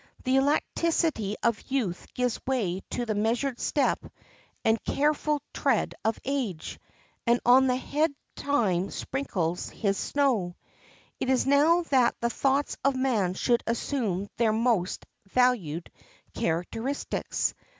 The elasticity of youth gives way to the measured step and careful tread of age, and on the head time sprinkles his snow. It is now that the thoughts of man should assume their most valued characteristics.